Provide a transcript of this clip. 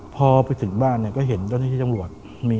พอไปถึงบ้านก็เห็นเจ้าที่จังหวัด